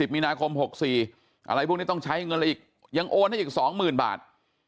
มีนาคม๖๔อะไรพวกนี้ต้องใช้เงินอะไรอีกยังโอนให้อีก๒๐๐๐บาท